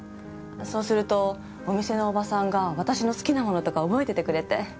そうするとお店のおばさんが私の好きなものとか覚えててくれて。